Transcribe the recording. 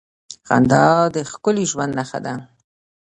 • خندا د ښکلي ژوند نښه ده.